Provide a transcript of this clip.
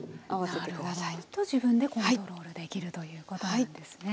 なるほど。と自分でコントロールできるということなんですね。